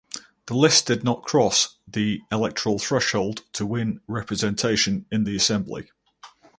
The list did not cross the electoral threshold to win representation in the assembly.